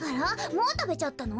もうたべちゃったの？